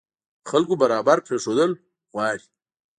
خلکو برابر پرېښودل غواړي.